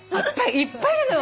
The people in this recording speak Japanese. いっぱいいるのよ。